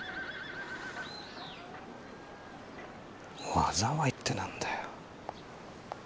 「災い」って何だよ。